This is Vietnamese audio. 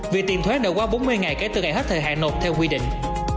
việc tiền thoát đã qua bốn mươi ngày kể từ ngày hết thời hạn nộp theo quy định